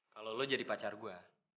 kalau lo jadi pacar gue